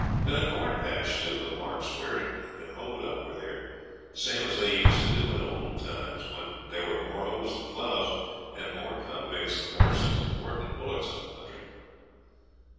Been a corn patch too the marks where it had been hoed up were there, same as they used to do in old times when there were more hoes than ploughs and more convicts than horses and working bullocks in the country.